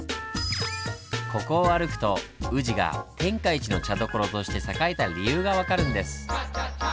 ここを歩くと宇治が「天下一の茶どころ」として栄えた理由が分かるんです。